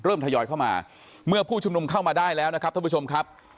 ทยอยเข้ามาเมื่อผู้ชุมนุมเข้ามาได้แล้วนะครับท่านผู้ชมครับ